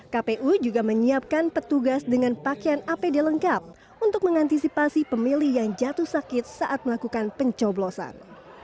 kpu juga menyiapkan petugas dengan pakaian apd lengkap untuk mengantisipasi pemilih yang jatuh sakit saat melakukan pencoblosan